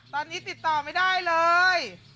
ตอนนี้ติดต่อไม่ได้เลย